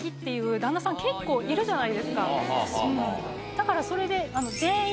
だからそれで。